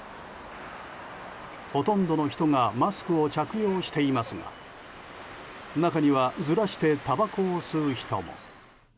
ほとんどの人がマスクを着用していますが中にはずらしてたばこを吸う人も。